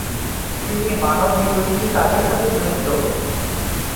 তিনি মানবহিতৈষী কাজের সাথে জড়িত।